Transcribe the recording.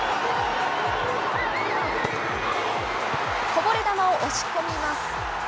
こぼれ球を押し込みます。